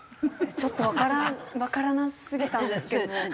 ちょっとわからなすぎたんですけれど。